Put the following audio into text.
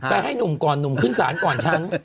ก็ให้หนุ่มหนุ่มขึ้นศาลหนุ่มจ้าง